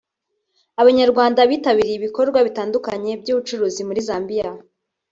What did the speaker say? Abanyarwanda bitabiriye ibikorwa bitandukanye by’ubucuruzi muri Zambia